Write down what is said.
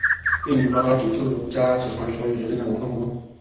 并引发了抵制如家集团所有酒店的网上活动。